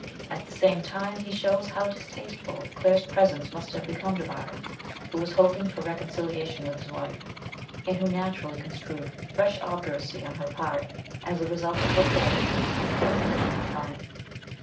At the same time he shows how distasteful Claire's presence must have become to Byron, who was hoping for reconciliation with his wife, and who naturally construed fresh obduracy on her part as the result of reports that were be coming current.